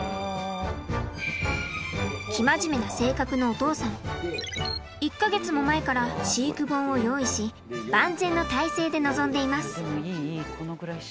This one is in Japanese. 生真面目な性格のお父さん１か月も前から飼育本を用意し万全の態勢で臨んでいます。